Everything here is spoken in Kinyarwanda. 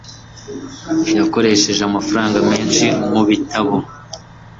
Yakoresheje amafaranga menshi mubitabo.